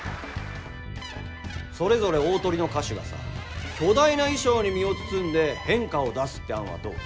それぞれ大トリの歌手がさ巨大な衣装に身を包んで変化を出すって案はどう？